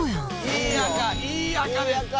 いい赤いい赤です。